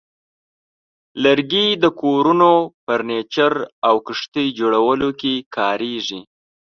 لرګي د کورونو، فرنیچر، او کښتۍ جوړولو کې کارېږي.